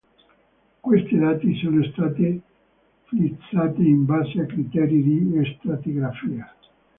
Queste date sono state fissate in base a criteri di stratigrafia.